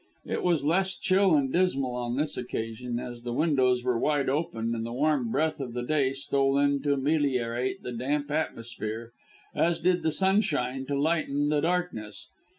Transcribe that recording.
It was less chill and dismal on this occasion, as the windows were wide open and the warm breath of the day stole in to ameliorate the damp atmosphere, as did the sunshine to lighten the darkness.